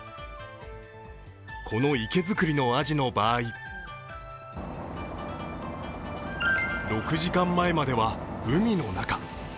この活け造りのあじの場合６時間前までは海の中。